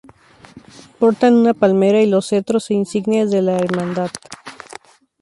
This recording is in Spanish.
Portan una palmera y los cetros e insignias de la Hermandad.